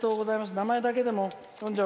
名前だけでも読んじゃおう。